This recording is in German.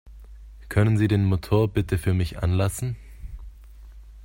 Können Sie den Motor bitte für mich anlassen?